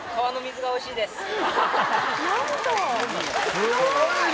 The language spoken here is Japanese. すごいね！